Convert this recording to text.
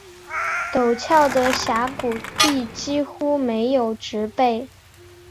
陡峭的峡谷壁几乎没有植被。